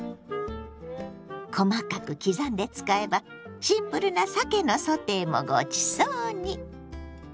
細かく刻んで使えばシンプルなさけのソテーもごちそうに！